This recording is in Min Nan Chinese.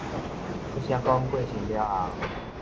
閣寫講過身了後